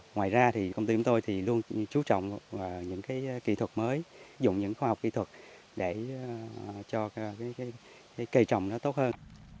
ngoài ra thì công ty của tôi thì luôn chú trọng những kỹ thuật mới dùng những khoa học kỹ thuật để cho cây trồng nó tốt hơn